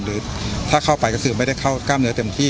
หรือถ้าเข้าไปก็คือไม่ได้เข้ากล้ามเนื้อเต็มที่